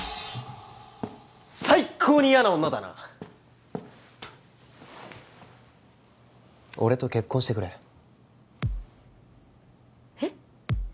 最高に嫌な女だな俺と結婚してくれえっ？